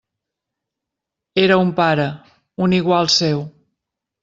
Era un pare, un igual seu.